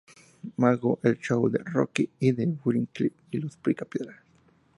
Magoo", "El Show de Rocky y Bullwinkle" y "Los Picapiedra".